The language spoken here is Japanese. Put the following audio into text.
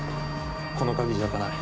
この鍵じゃ開かない。